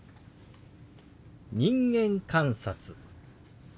「人間観察」。